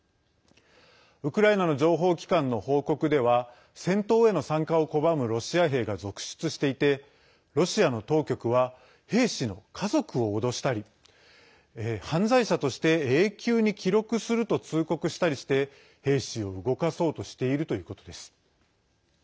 ウクライナの情報機関の報告では戦闘への参加を拒むロシア兵が続出していてロシアの当局は兵士の家族を脅したり犯罪者として永久に記録すると通告したりして兵士を動かそうとしているということです。